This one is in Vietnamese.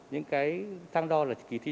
những cái thang đo là kỳ thi